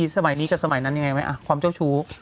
สมัยนี้กับสมัยนั้นยังไงไหมความเจ้าชู้